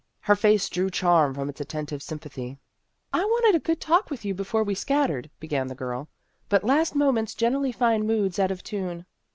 Her face drew charm from its attentive sympathy. " I wanted a good talk with you before we scattered," began the girl, " but last mo ments generally find moods out of tune."